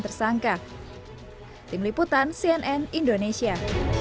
tersangka tim liputan cnn indonesia